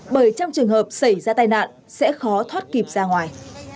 bởi trong trường hợp xảy ra tai nạn sẽ khó thoát kịp ra ngoài